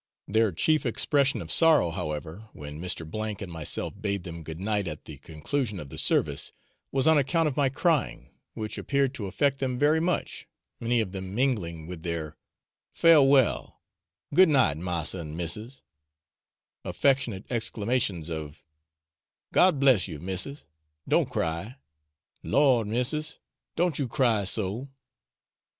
Their chief expression of sorrow, however, when Mr. and myself bade them good night at the conclusion of the service, was on account of my crying, which appeared to affect them very much, many of them mingling with their 'Farewell, good night, massa and missis,' affectionate exclamations of 'God bless you, missis; don't cry!' 'Lor, missis, don't you cry so!'